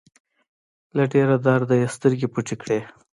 له ډېره درده يې سترګې پټې کړې.